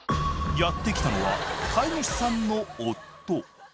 やって来たのは飼い主さんの夫。